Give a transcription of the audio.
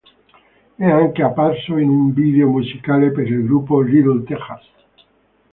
È anche apparso in un video musicale per il gruppo "Little Texas".